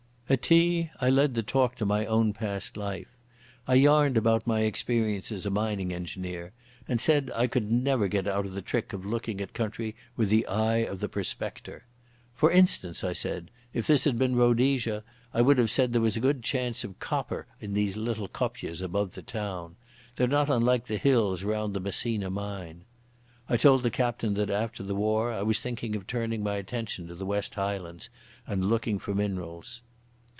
_ At tea I led the talk to my own past life. I yarned about my experiences as a mining engineer, and said I could never get out of the trick of looking at country with the eye of the prospector. "For instance," I said, "if this had been Rhodesia, I would have said there was a good chance of copper in these little kopjes above the town. They're not unlike the hills round the Messina mine." I told the captain that after the war I was thinking of turning my attention to the West Highlands and looking out for minerals.